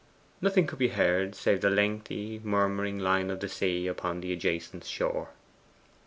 Nothing could be heard save the lengthy, murmuring line of the sea upon the adjacent shore.